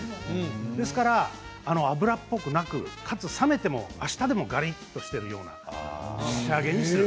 ですから脂っこくなくかつ冷めてもあしたでもカリっとしているような仕上げにする。